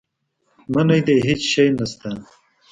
منی دی هېڅ شی نه شته.